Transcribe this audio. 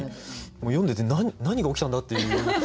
読んでて「何が起きたんだ！？」っていう。